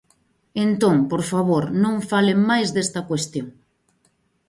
Entón, por favor, non falen máis desta cuestión.